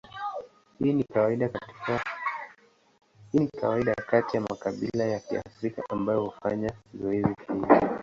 Hii ni kawaida kati ya makabila ya Kiafrika ambayo hufanya zoezi hili.